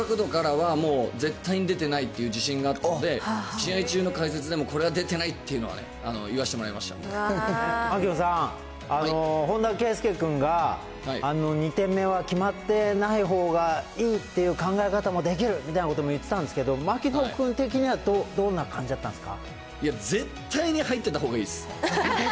僕の角度からはもう絶対に出てないっていう自信があったので、試合中の解説でも、これは出てないっていうのは言わせてもらいまし槙野さん、本田圭佑君が、２点目は決まってないほうがいいっていう考え方もできるみたいなことも言ってたんですけど、槙野君的にはどんな感じだったんですか？